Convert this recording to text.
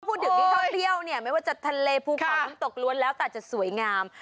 พูดถึงวิดีออกเรี่ยวเนี่ยไม่ว่าจะทะเลฟูเขาตกรวญแล้วแต่จะสวยงาม